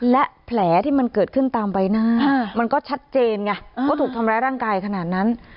และแผลที่มันเกิดขึ้นตามใบหน้ามันก็ชัดเจนไงว่าถูกทำร้ายร่างกายขนาดนั้น